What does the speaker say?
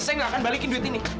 saya nggak akan balikin duit ini